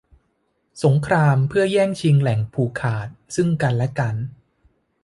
สงครามเพื่อแย่งชิงแหล่งผูกขาดซึ่งกันและกัน